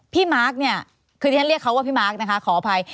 พี่ม้ากเนี่ยคือที่ท่านเรียกเขาว่าพี่ม้ากนะคะขออภัย